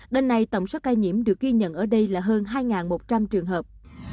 đến nay tổng số ca nhiễm được ghi nhận ở đây là hơn hai một trăm linh trường hợp